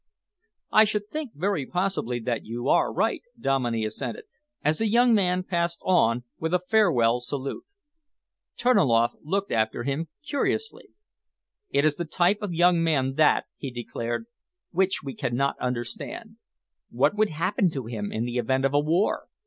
"I should think very possibly that you are right," Dominey assented, as the young man passed on with a farewell salute. Terniloff looked after him curiously. "It is the type of young man, that," he declared, "which we cannot understand. What would happen to him, in the event of a war?